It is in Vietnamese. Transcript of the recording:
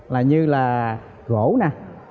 là như là gỗ nè